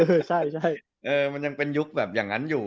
เออใช่ใช่เออมันยังเป็นยุคแบบอย่างนั้นอยู่อ่ะ